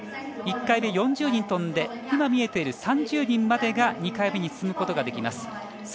１回目、４０人飛んで今、見えている３０人までが２回目に進むことができます。